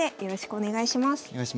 お願いします。